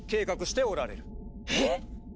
えっ！